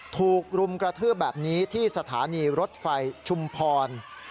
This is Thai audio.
ถูกรุมกระทืบแบบนี้ที่สถานีรถไฟชุมพร